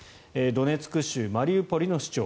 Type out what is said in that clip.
ドネツク州マリウポリの市長